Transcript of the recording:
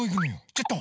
ちょっと！